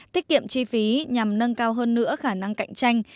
tiết kiệm chi phí nhằm nâng cao hơn nữa khả năng cạnh tranh